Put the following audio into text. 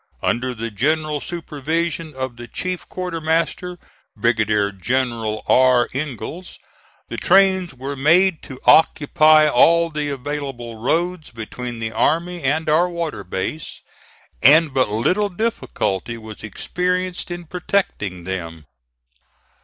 Under the general supervision of the chief quartermaster, Brigadier General R. Ingalls, the trains were made to occupy all the available roads between the army and our water base, and but little difficulty was experienced in protecting them.